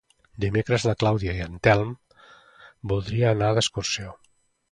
Dimecres na Clàudia i en Telm voldria anar d'excursió.